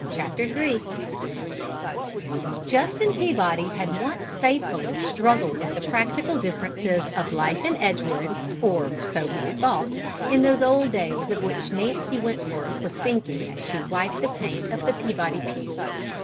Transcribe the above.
CHAPTER III Justin Peabody had once faithfully struggled with the practical difficulties of life in Edgewood, or so he had thought, in those old days of which Nancy Wentworth was thinking as she wiped the paint of the Peabody pew.